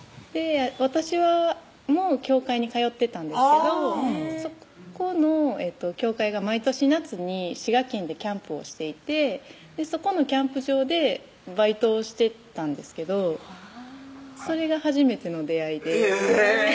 私も教会に通ってたんですけどそこの教会が毎年夏に滋賀県でキャンプをしていてそこのキャンプ場でバイトをしてたんですけどそれが初めての出会いでえぇ！